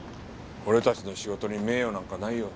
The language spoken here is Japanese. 俺たちの仕事に名誉なんかないよ。